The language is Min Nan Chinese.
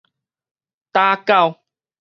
打狗